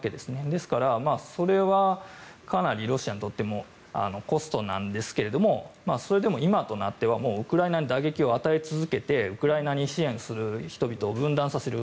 ですからそれはかなりロシアにとってもコストなんですがそれでも今となってはウクライナに打撃を与え続けてウクライナに支援する人々を分断させる。